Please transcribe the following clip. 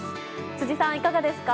辻さん、いかがですか。